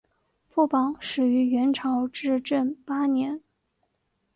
副榜始于元朝至正八年。